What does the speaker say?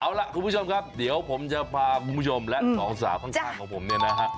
เอาล่ะคุณผู้ชมครับเดี๋ยวผมจะพาคุณผู้ชมและสองสาวข้างของผมเนี่ยนะฮะ